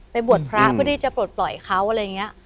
บวชพระเพื่อที่จะปลดปล่อยเขาอะไรอย่างนี้